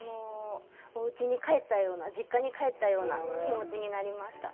おうちに帰ったような実家に帰ったような気持ちになりました。